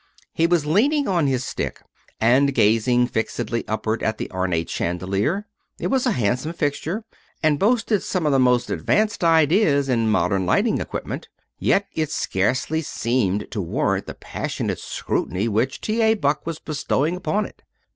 He was leaning on his stick and gazing fixedly upward at the ornate chandelier. It was a handsome fixture, and boasted some of the most advanced ideas in modern lighting equipment. Yet it scarcely seemed to warrant the passionate scrutiny which T. A. Buck was bestowing upon it.